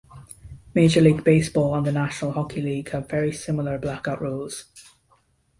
Major League Baseball and the National Hockey League have very similar blackout rules.